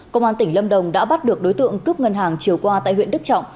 công an tỉnh lâm đồng đã bắt được đối tượng cướp ngân hàng chiều qua tại huyện đức trọng